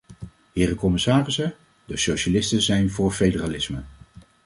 Heren commissarissen, de socialisten zijn voor federalisme.